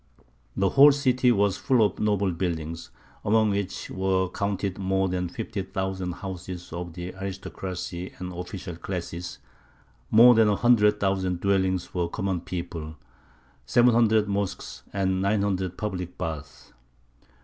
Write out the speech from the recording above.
The whole city was full of noble buildings, among which were counted more than fifty thousand houses of the aristocracy and official classes, more than a hundred thousand dwellings for the common people, seven hundred mosques, and nine hundred public baths.